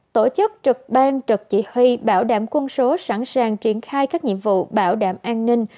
tổ chức trực ban trực chỉ huy bảo đảm quân số sẵn sàng triển khai các nhiệm vụ bảo đảm an ninh